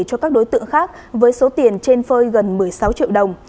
cho các đối tượng khác với số tiền trên phơi gần một mươi sáu triệu đồng